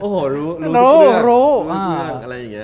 โอ้โหรู้ทุกเรื่อง